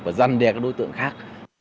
và dân đề các đối tượng khác